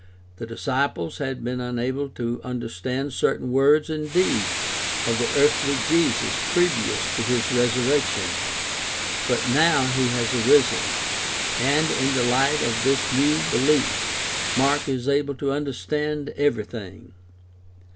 The disciples had been unable to understand certain words and deeds of the earthly Jesus previous to his resurrection (cf. 9:9 f.), but now he has 258 GUIDE TO STUDY OF CHRISTIAN RELIGION arisen, and in the light of this new behef Mark is able to under stand everything.